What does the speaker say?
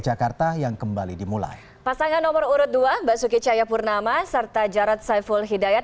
jakarta yang kembali dimulai pasangan nomor urut dua mbak suki caya purnama serta jarad saiful hidayat